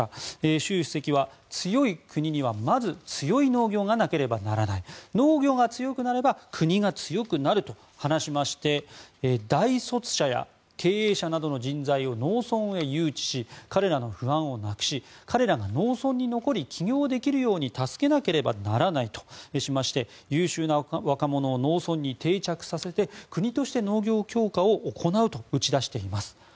習主席は、強い国にはまず強い農業がなければならない農業が強くなれば国が強くなると話しまして、大卒者や経営者などの人材を農村に誘致し彼らの不安をなくし彼らが農村に残り起業できるように助けなければならないとしまして優秀な若者を農村に定着させ国として農業強化を行うと打ち出しています。